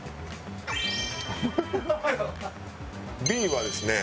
Ｂはですね